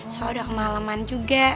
soalnya udah kemaleman juga